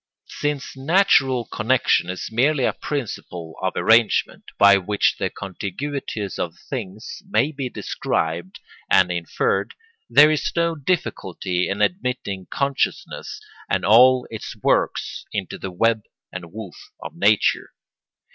Since natural connection is merely a principle of arrangement by which the contiguities of things may be described and inferred, there is no difficulty in admitting consciousness and all its works into the web and woof of nature.